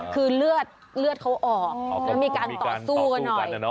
คือเลือดเหลือดเขาออกมีการต่อสู้กันหน่อย